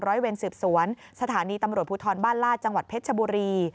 เวรสืบสวนสถานีตำรวจภูทรบ้านลาดจังหวัดเพชรชบุรี